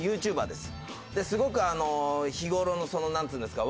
すごく日頃のそのなんていうんですか